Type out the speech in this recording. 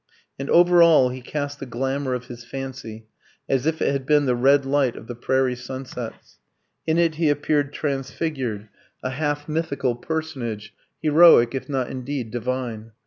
And over all he cast the glamour of his fancy, as if it had been the red light of the prairie sunsets; in it he appeared transfigured, a half mythical personage, heroic, if not indeed divine.